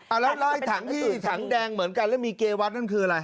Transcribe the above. แล้วไอ้ถังที่ถังแดงเหมือนกันแล้วมีเกวัตนั่นคืออะไร